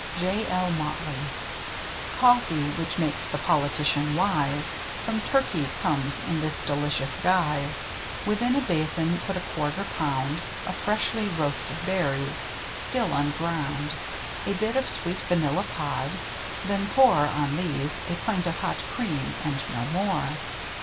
— J. L. Motley. " Coffee, which makes the politician' wise," From Turkey comes in this dehcious guise: Within a basin put a quarter pound Of freshly roasted berries, still unground, A bit of sweet vanilla pod, then pour On these a pint of hot cream (and no more).